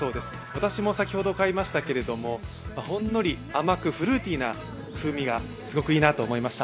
私も先ほど買いましたけれどもほんのり甘くフルーティーな風味がすごくいいなと思いました。